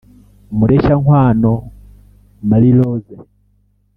Mureshyankwano Marie Rose